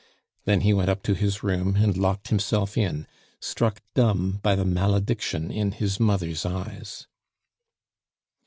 Then he went up to his room and locked himself in, struck dumb by the malediction in his mother's eyes.